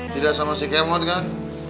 tidak sama si kemot kan